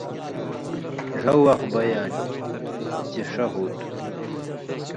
ڙھؤ وخت بئ یا چِݜہ ہُوتُھو